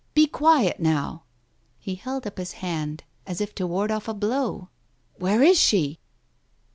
Be quiet, now!" He held up his hand, as if to ward off a blow. "Where is she?"